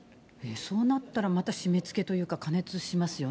そうなったらまた締めつけというか、過熱しますよね。